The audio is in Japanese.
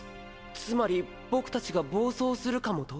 つまり僕たちが暴走するかもと？